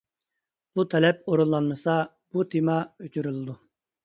بۇ تەلەپ ئورۇنلانمىسا، بۇ تېما ئۆچۈرۈلىدۇ!